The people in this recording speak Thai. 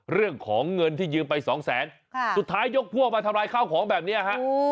เรื่องของเงินที่ยืมไปสองแสนสุดท้ายยกพวกมาทำลายข้าวของแบบนี้ฮะ